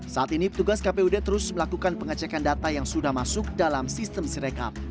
saat ini petugas kpud terus melakukan pengecekan data yang sudah masuk dalam sistem sirekap